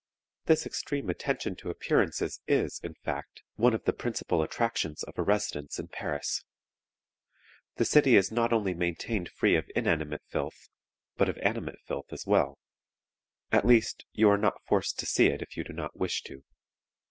"This extreme attention to appearances is, in fact, one of the principal attractions of a residence in Paris. The city is not only maintained free of inanimate filth, but of animate filth as well; at least, you are not forced to see it if you do not wish to.